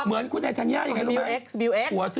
เหมือนคุณไนทันย่าอย่างไรรู้ไหม